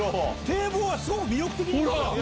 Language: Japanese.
堤防はすごく魅力的。